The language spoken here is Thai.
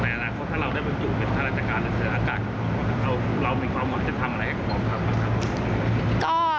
แต่อนาคตถ้าเราได้มาอยู่เป็นทหรือจะอากาศ